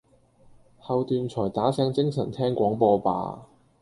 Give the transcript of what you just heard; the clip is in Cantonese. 後段才打醒精神聽廣播吧！